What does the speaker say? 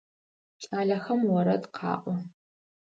Кӏалэхэм орэд къаӏо.